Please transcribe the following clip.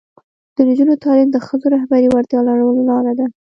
د نجونو تعلیم د ښځو رهبري وړتیا لوړولو لاره ده.